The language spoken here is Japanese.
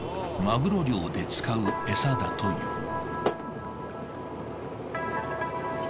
マグロ漁で使うエサだという。